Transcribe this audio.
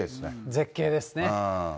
絶景ですね。